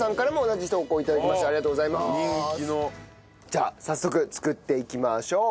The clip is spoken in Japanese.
じゃあ早速作っていきましょう。